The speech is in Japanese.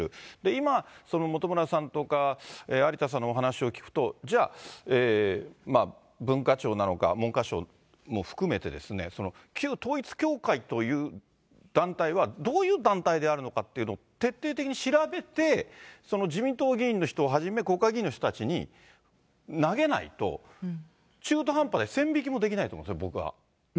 今、本村さんとか有田さんのお話を聞くと、じゃあ、文化庁なのか、文科省も含めてですね、旧統一教会という団体は、どういう団体であるのかというのを徹底的に調べて、自民党議員の人をはじめ、国会議員の人たちに投げないと、中途半端で線引きもできないと思うんですね、僕は。